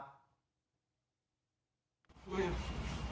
นี่ครับ